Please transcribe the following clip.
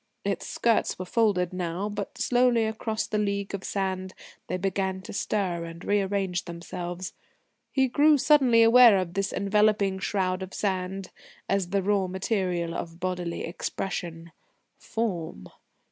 Its skirts were folded now, but, slowly across the leagues of sand, they began to stir and rearrange themselves. He grew suddenly aware of this enveloping shroud of sand as the raw material of bodily expression: Form.